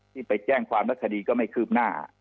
ที่ไปแจ้งความแล้วคดีก็ไม่คืบหน้า